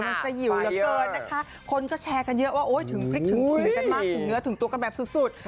หิวเหลือเกิดนะคะคนก็แชร์กันเยอะว่าถึงพริกถึงเงือถึงตัวกันแบบสุด